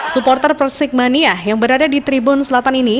supporter persik mania yang berada di tribun selatan ini